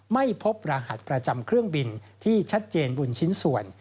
ไม่พบรหัสประจำเครื่องบินที่ชัดเจนบนชิ้นส่วน